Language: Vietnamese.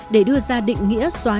để đưa ra định nghĩa soán